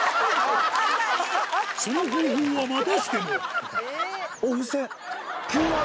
その方法はまたしてもお布施。